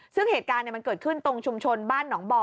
ซึ่งเหตุการณ์มันเกิดขึ้นตรงชุมชนบ้านหนองบ่อ